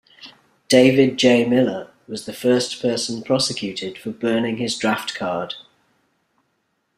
David J. Miller was the first person prosecuted for burning his draft card.